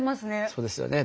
そうですよね。